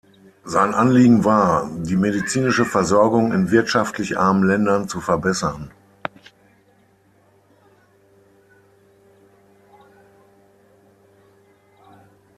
Sein Anliegen war, die medizinische Versorgung in wirtschaftlich armen Ländern zu verbessern.